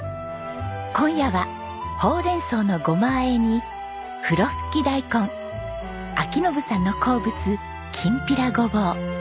今夜はほうれん草のゴマあえにふろふき大根章伸さんの好物きんぴらごぼう。